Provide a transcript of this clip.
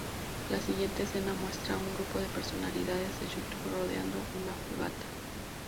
La siguiente escena muestra a un grupo de personalidades de YouTube rodeando una fogata.